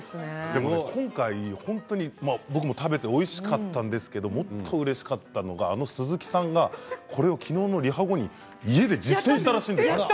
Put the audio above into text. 今回僕も食べておいしかったんですけどもっとうれしかったのがあの鈴木さんがこれを、きのうのリハ後に家で実践したらしいんですよ。